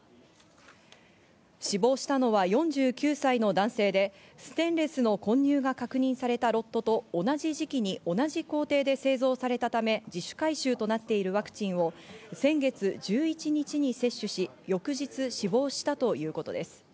死亡したのは４９歳の男性でステンレスの混入が確認されたロットと同じ時期に同じ工程で製造されたため、自主回収となっているワクチンを先月１１日に接種し翌日死亡したということです。